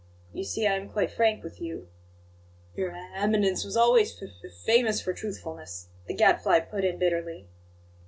You see, I am quite frank with you." "Your E eminence was always f f famous for truthfulness," the Gadfly put in bitterly.